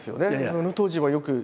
あの当時はよく。